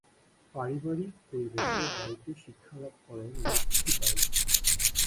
পারিবারিক পরিবেশে বাড়িতে শিক্ষালাভ করেন লক্ষ্মী বাঈ।